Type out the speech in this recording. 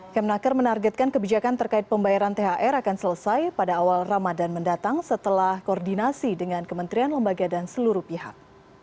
kemenaker menargetkan kebijakan terkait pembayaran thr akan selesai pada awal ramadan mendatang setelah koordinasi dengan kementerian lembaga dan seluruh pihak